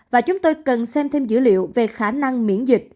và chúng tôi cần xem thêm dữ liệu về khả năng miễn dịch